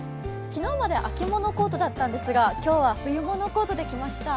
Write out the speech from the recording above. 昨日まで秋物コートだったんですが今日は冬物コートで来ました。